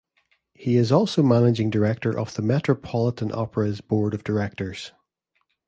He is also managing director of the Metropolitan Opera's board of directors.